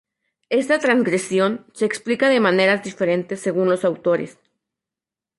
Esta transgresión se explica de maneras diferentes según los autores.